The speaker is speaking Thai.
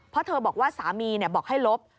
เพราะเธอบอกว่าสามีบอกให้ลบ